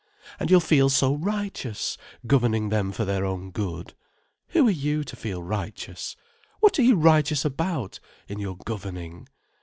"And you'll feel so righteous, governing them for their own good. Who are you, to feel righteous? What are you righteous about, in your governing?